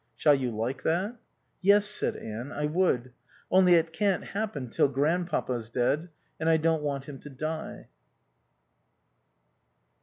"Shall you like that?" "Yes," said Anne. "I would. Only it can't happen till Grandpapa's dead. And I don't want him to die."